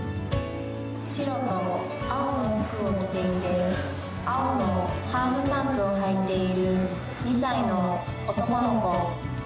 白と青の服を着ていて、青のハーフパンツをはいている、２歳の男の子。